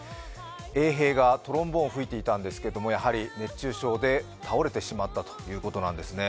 衛兵がトロンボーンを吹いていたんですけれども、やはり熱中症で倒れてしまったということなんですね。